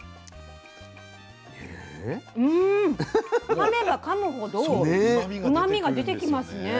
かめばかむほどうまみが出てきますね。